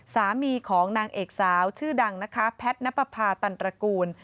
สามีของนางเอกสาวชื่อดังนะคะแพทย์นับประพาตันตระกูล